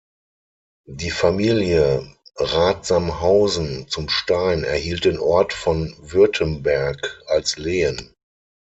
Die Familie Rathsamhausen zum Stein erhielt den Ort von Württemberg als Lehen.